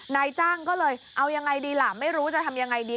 นายจ้างก็เลยเอายังไงดีล่ะไม่รู้จะทำยังไงดี